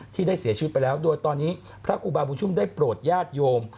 ที่ได้เสียชีวิตไปแล้วโดยตอนนี้พระครูบาบุญชุมได้โปรดญาติโยม